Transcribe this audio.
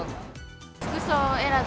服装選び